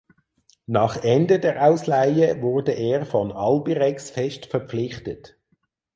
Nach Ende der Ausleihe wurde er von Albirex fest verpflichtet.